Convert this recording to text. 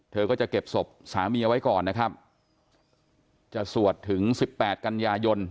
เธอก็จะเก็บศพสามีเอาไว้ก่อนนะครับจะสวดถึงสิบแปดกันยายน